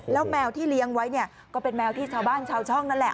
แล้วแมวที่เลี้ยงไว้เนี่ยก็เป็นแมวที่ชาวบ้านชาวช่องนั่นแหละ